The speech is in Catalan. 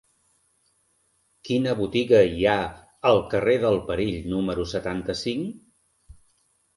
Quina botiga hi ha al carrer del Perill número setanta-cinc?